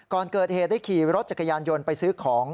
ก่อนเกิดเหตุได้ขี่รถจักรยานยนต์ไปซื้อของ